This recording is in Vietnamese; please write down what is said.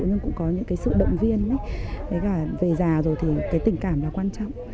nhưng cũng có những cái sự động viên cả về già rồi thì cái tình cảm là quan trọng